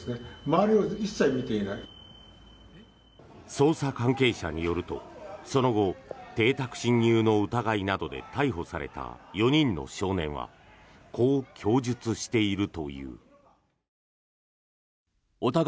捜査関係者によるとその後、邸宅侵入の疑いなどで逮捕された４人の少年はこう供述しているという。